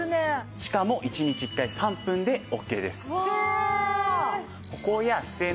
しかも１日１回３分でオッケーです。